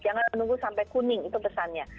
jangan menunggu sampai kuning itu pesannya